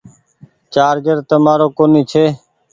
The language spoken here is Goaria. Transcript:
چآرجر تمآرو ڪونيٚ چي۔